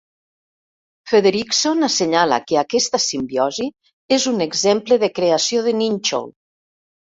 Frederickson assenyala que aquesta simbiosi és un exemple de creació de nínxol.